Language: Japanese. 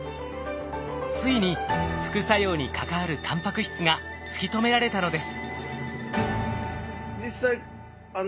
ついに副作用に関わるタンパク質が突き止められたのです。